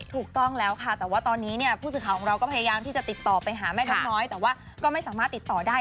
ถูกต้องแล้วค่ะแต่ว่าตอนนี้เนี่ยผู้สื่อข่าวของเราก็พยายามที่จะติดต่อไปหาแม่นกน้อยแต่ว่าก็ไม่สามารถติดต่อได้